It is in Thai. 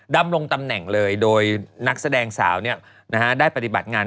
ดำรงตำแหน่งเลยโดยนักแสดงสาวได้ปฏิบัติงาน